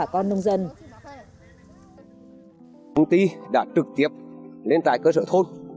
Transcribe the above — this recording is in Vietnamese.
công ty đã trực tiếp lên tại cơ sở thôn